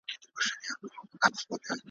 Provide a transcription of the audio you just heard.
له ظالمه به مظلوم ساتل کېدلای `